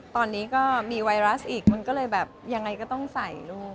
ตอนนี้ก็มีไวรัสอีกมันก็เลยแบบยังไงก็ต้องใส่ลูก